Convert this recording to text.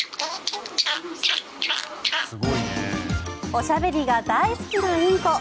おしゃべりが大好きなインコ。